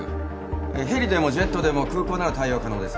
ヘリでもジェットでも空港なら対応可能です。